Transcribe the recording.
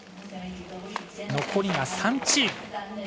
残りが３チーム。